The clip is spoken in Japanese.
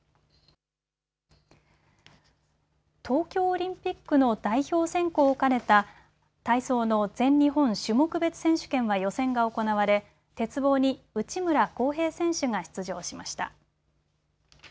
東京オリンピックの代表選考を兼ねた体操の全日本種目別選手権は予選が行われ鉄棒に内村航平選手が出場しました。